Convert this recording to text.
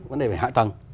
vấn đề về hạ tầng